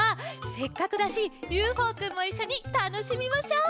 せっかくだしＵＦＯくんもいっしょにたのしみましょう。